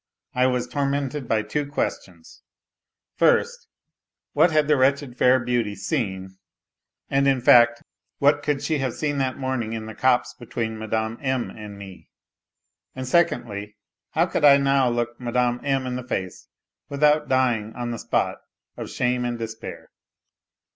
I was tormented by t\\o questions : first, what had the wretched fair beauty seen, and, in A LITTLE HERO 241 fact, what could she have seen that morning in the copse between Mme. M. and me ? And secondly, how could I now look Mme. M. in the face without dying on the spot of shame and despair